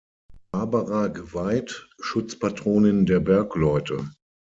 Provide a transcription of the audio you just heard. Barbara geweiht, Schutzpatronin der Bergleute.